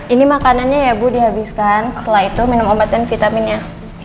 ini makanannya ya bu dihabiskan setelah itu minum obat dan vitaminnya